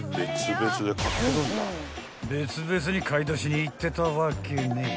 ［別々に買い出しに行ってたわけね］